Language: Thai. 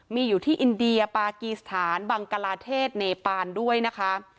มีอยู่ที่อินเดียปากีสถานบังกลาเทศเนปานด้วยนะคะ